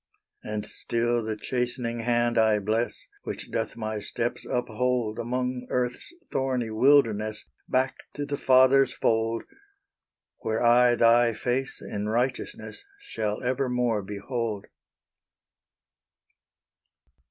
And still the chastening hand I bless, Which doth my steps uphold Along earth's thorny wilderness, Back to the Father's fold, Where I Thy face in righteousness Shall evermore behold.